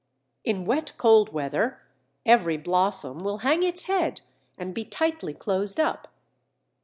In wet cold weather every blossom will hang its head and be tightly closed up.